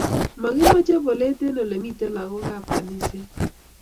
Makimache polet en elemiten lakoka ab kaniset